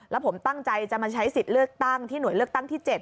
แล้วผมตั้งใจจะมาใช้สิทธิ์เลือกตั้งที่หน่วยเลือกตั้งที่๗